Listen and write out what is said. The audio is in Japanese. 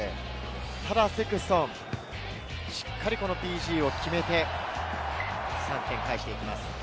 ただセクストン、しっかりペナルティーゴールを決めて、３点を返していきます。